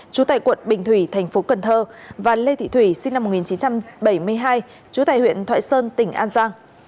chú tài quận bình thủy thành phố cần thơ và lê thị thủy sinh năm một nghìn chín trăm bảy mươi hai chú tài huyện thoại sơn tỉnh an giang